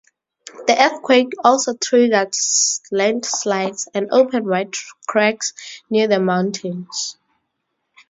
The earthquake also triggered landslides and opened wide cracks near the mountains.